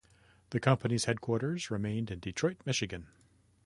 The company's headquarters remained in Detroit, Michigan.